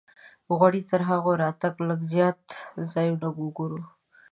غواړو تر هغوی راتګه لږ زیات ځایونه وګورو.